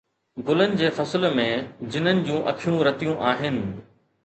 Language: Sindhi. گلن جي فصل ۾، جنن جون اکيون رتيون آهن